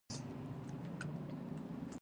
له احمده مې خپل ټپ واخيست.